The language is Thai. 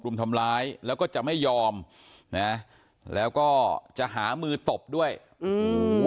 รุมทำร้ายแล้วก็จะไม่ยอมนะแล้วก็จะหามือตบด้วยอืม